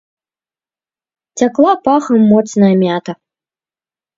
Цякла пахам моцная мята.